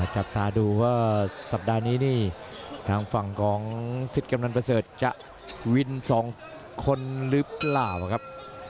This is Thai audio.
จับตาดูว่าสัปดาห์นี้นี่ทางฝั่งของสิทธิ์กำนันประเสริฐจะวิน๒คนหรือเปล่าครับ